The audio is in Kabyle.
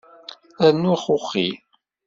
Rnu axuxi.